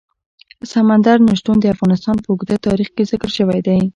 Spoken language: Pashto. سمندر نه شتون د افغانستان په اوږده تاریخ کې ذکر شوی دی.